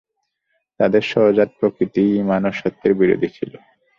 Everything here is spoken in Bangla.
তাদের সহজাত প্রকৃতিই ঈমান ও সত্যের বিরোধী ছিল।